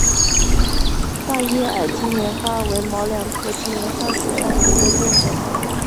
大叶矮金莲花为毛茛科金莲花属下的一个变种。